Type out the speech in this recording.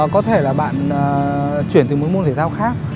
có thể là bạn chuyển từ một môn thể thao khác